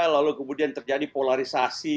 lalu kemudian terjadi polarisasi